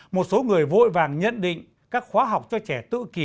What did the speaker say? một số người vội vàng nhận định các khóa học cho trẻ tự kỷ